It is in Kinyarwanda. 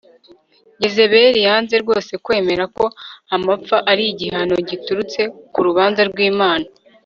Yezebeli yanze rwose kwemera ko amapfa ari gihano giturutse ku rubanza rwImana